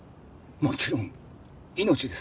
もちろん命です。